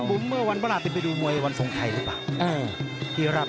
นี่คือบุ๋มเมื่อวันประหลาดไปดูมวยวันทรงไทยหรือเปล่า